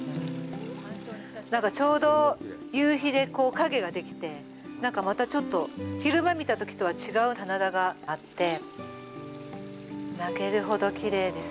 ちょうど夕日で影ができてなんか、またちょっと昼間見たときとは違う棚田があって泣けるほどきれいです。